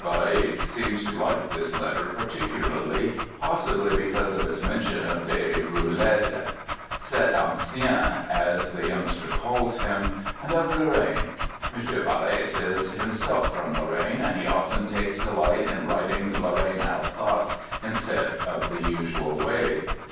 Barres seems to like this letter particularly, possibly because of its mention of Deroulede —" cet ancien " as the youngster calls him — and of Lorraine. M. Bar res is himself from Lorraine, and he often takes delight in writing Lorraine Alsace instead of the usual way.